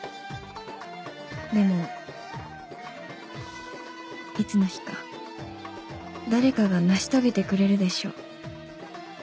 「でもいつの日か誰かが成し遂げてくれるでしょう」